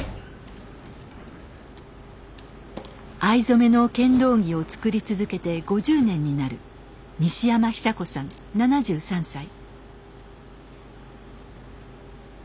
藍染めの剣道着を作り続けて５０年になる西山久子さん７３歳。